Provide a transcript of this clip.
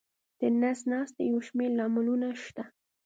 د نس ناستي یو شمېر لاملونه شته.